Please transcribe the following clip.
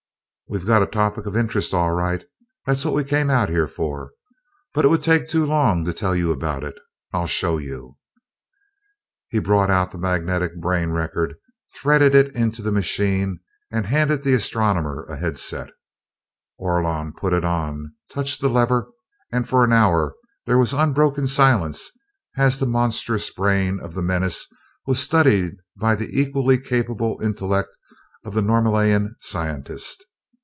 "We've got a topic of interest, all right. That's what we came out here for. But it would take too long to tell you about it I'll show you!" He brought out the magnetic brain record, threaded it into the machine and handed the astronomer a head set. Orlon put it on, touched the lever, and for an hour there was unbroken silence as the monstrous brain of the menace was studied by the equally capable intellect of the Norlaminian scientist.